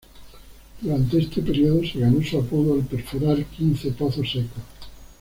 Durante este periodo se ganó su apodo al perforar quince pozos secos.